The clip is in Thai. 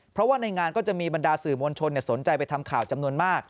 เพราะว่าในงานก็จะมีบรรดาสื่อมวลชนสนใจไปทำข่าวจำนวนมาก